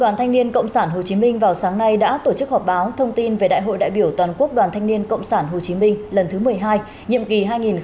đoàn thanh niên cộng sản hồ chí minh vào sáng nay đã tổ chức họp báo thông tin về đại hội đại biểu toàn quốc đoàn thanh niên cộng sản hồ chí minh lần thứ một mươi hai nhiệm kỳ hai nghìn hai mươi hai nghìn hai mươi sáu